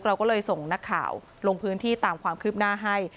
เราก็เลยส่งนักข่าวลงพื้นที่ตามความคืบหน้าให้